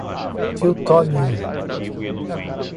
Teutônia